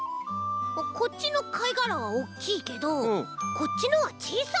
こっちのかいがらはおっきいけどこっちのはちいさい！